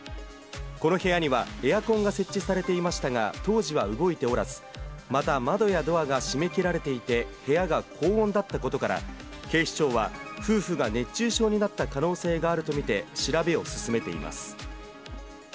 この部屋にはエアコンが設置されていましたが、当時は動いておらず、また、窓やドアが閉め切られていて、部屋が高温だったことから、警視庁は、夫婦が熱中症になった可能性があると見て、調べを進めています。